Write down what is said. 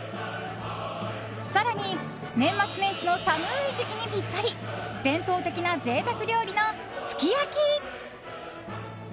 更に年末年始の寒い時期にぴったり伝統的な贅沢料理の、すき焼き。